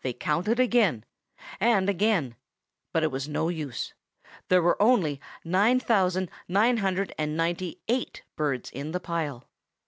They counted again and again; but it was of no use: there were only nine thousand nine hundred and ninety eight birds in the pile.